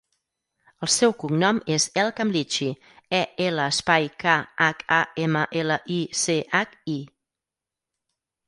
El seu cognom és El Khamlichi: e, ela, espai, ca, hac, a, ema, ela, i, ce, hac, i.